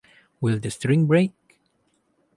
Will the string break?